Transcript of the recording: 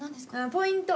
ポイント。